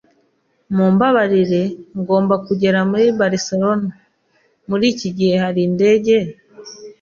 Mumbabarire, ngomba kugera muri Barcelona. Muri iki gihe hari indege?